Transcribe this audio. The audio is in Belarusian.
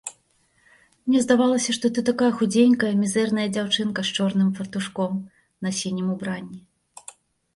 Мне здавалася, што ты такая худзенькая, мізэрная дзяўчынка з чорным фартушком на сінім убранні.